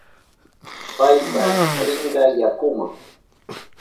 Paypas rinka yakuma.